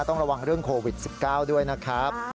ต้องระวังเรื่องโควิด๑๙ด้วยนะครับ